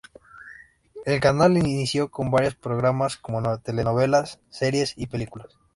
El canal inicio con varios programas como: telenovelas, series y películas.